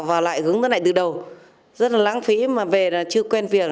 và lại hướng tới này từ đầu rất là lãng phí mà về là chưa quen việc